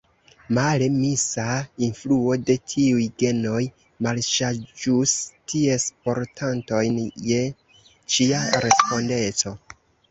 Male: la misa influo de tiuj genoj malŝarĝus ties portantojn je ĉia respondeco!